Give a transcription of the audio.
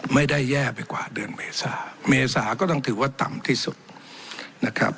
ไม่ได้แย่ไปกว่าเดือนเมษาเมษาก็ต้องถือว่าต่ำที่สุดนะครับ